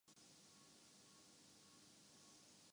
خدا کا حکم مان لینا فرض ہے